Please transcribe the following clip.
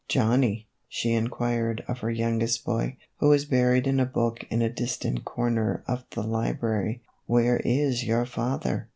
" Johnny," she inquired of her youngest boy, who was buried in a book in a distant corner of the library, " where is your father